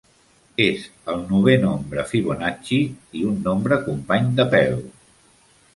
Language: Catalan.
És el novè nombre Fibonacci i un nombre company de Pell.